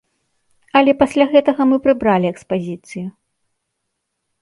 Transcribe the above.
Але пасля гэтага мы прыбралі экспазіцыю.